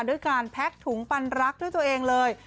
ด้วยการแพ็กถุงปันรักด้วยตัวเองเลย